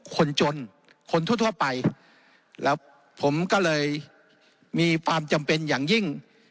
คนจนคนทั่วไปแล้วผมก็เลยมีความจำเป็นอย่างยิ่ง